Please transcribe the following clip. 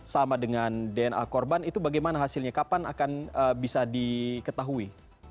sama dengan dna korban itu bagaimana hasilnya kapan akan bisa diketahui